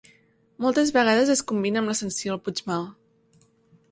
Moltes vegades es combina amb l'ascensió al Puigmal.